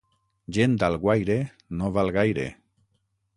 Gent d'Alguaire no val gaire.